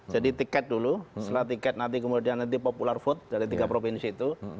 jadi tiket dulu setelah tiket nanti kemudian popular vote dari tiga provinsi itu